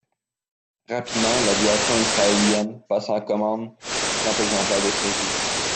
Rapidement l'aviation israélienne passa commande pour trente exemplaires de série.